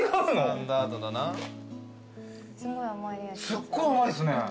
すっごい甘いっすね。